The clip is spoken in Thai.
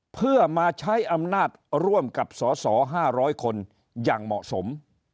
เพื่อมาใช้อำนาจร่วมกับสส๕๐๐คนอย่างเหมาะสม